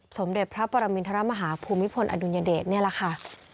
สมเด็จพระปรมินทรมาฮาภูมิพลอดุลยเดชนี่แหละค่ะ